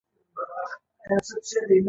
د الکترومتر د ستنې عکس العمل ته پام وکړئ.